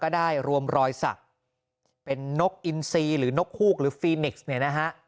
ได้รวมรอยสักเป็นนกอินซีหรือนกฮูกหรือฟีนิกซ์เนี่ยนะฮะ